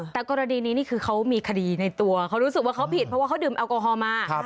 แต่กรณีนี้คือเขามีคดีในตัวเขารู้สึกความผิดเวลาเขาดื่มแอลกโกฮอล์มา